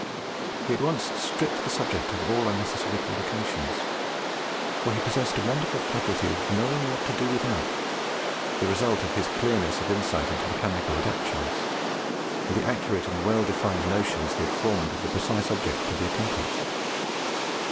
He at once stripped the subject of all unnecessary complications; for he possessed a wonderful faculty of KNOWING WHAT TO DO WITHOUT the result of his clearness of insight into mechanical adaptations, and the accurate and well defined notions he had formed of the precise object to be accomplished.